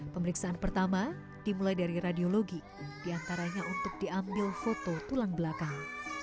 pemeriksaan pertama dimulai dari radiologi diantaranya untuk diambil foto tulang belakang